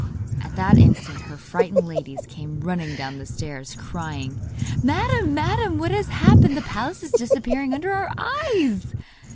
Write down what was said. At that instant her frightened ladies came running down the stairs, crying: 'Madam! madam! what has happened? The palace is disappearing under our eyes!